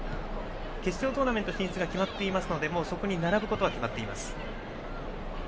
決勝トーナメント進出が決まっていますのでそこに並ぶことも決まっています。